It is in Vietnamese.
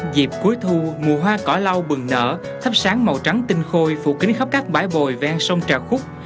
dịp cuối thu mùa hoa cỏ lau bừng nở thắp sáng màu trắng tinh khôi phụ kính khắp các bãi bồi ven sông trà khúc